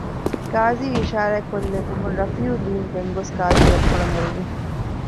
ގާޒީ އިޝާރާތްކޮށްލެއްވުމުން ރަފީއު ލިޔުން ގެންގޮސް ގާޒީ އަތްޕުޅަށް އެރުވި